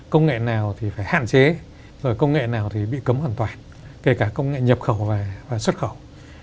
công nghệ nào thì phải hạn chế rồi công nghệ nào thì bị cấm hoàn toàn kể cả công nghệ nhập khẩu và xuất khẩu